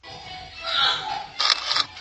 زه کښېناستل کړي دي!.